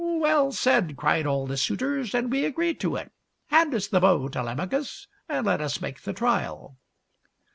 " Well said !" cried all the suitors, " and we agree to it. Hand us the bow, Telemachus, and let us make the tria,l."